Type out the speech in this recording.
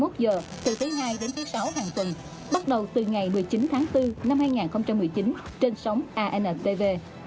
thứ hai đến thứ sáu hàng tuần bắt đầu từ ngày một mươi chín tháng bốn năm hai nghìn một mươi chín trên sóng antv